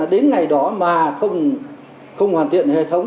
đến ngày đó mà không hoàn thiện hệ thống